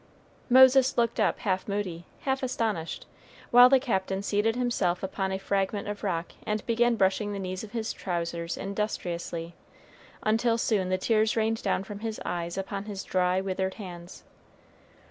Moses looked up half moody, half astonished, while the Captain seated himself upon a fragment of rock and began brushing the knees of his trousers industriously, until soon the tears rained down from his eyes upon his dry withered hands.